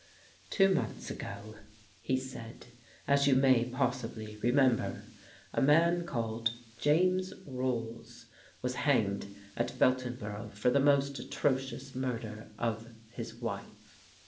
"Two months ago," he said, "as you may pos sibly remember, a man called James Rolls was hanged at Beltonborough for the most atrocious murder of his wife.